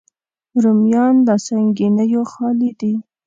رومیان له سنګینیو خالي دي